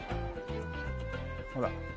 ほら。